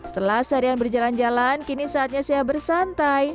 setelah seharian berjalan jalan kini saatnya saya bersantai